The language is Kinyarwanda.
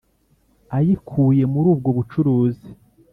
ayikuye muri ubwo bucuruzi